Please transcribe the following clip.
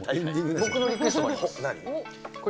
僕のリクエストで。